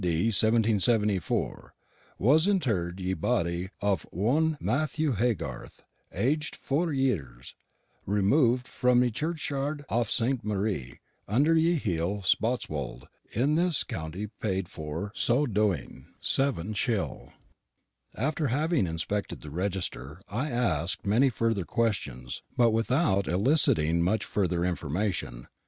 D. 1774, was interr'd ye bodie off onne Matthewe Haygarthe, ag'd foure yeres, remoov'd fromm ye Churcheyarde off St. Marie, under ye hil, Spotswolde, in this Co. Pade forr so doeing, sevven shill." After having inspected the register, I asked many further questions, but without eliciting much further information.